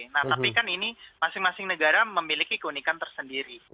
nah tapi kan ini masing masing negara memiliki keunikan tersendiri